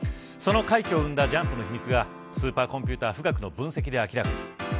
その快挙を産んだジャンプの秘密がスーパーコンピューター富岳の分析で明らかに。